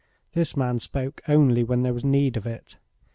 This man spoke only when there was need of it.